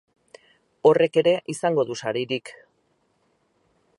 Horrek ere izango du saririk.